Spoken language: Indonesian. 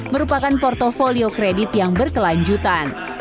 merupakan portfolio kredit yang berkelanjutan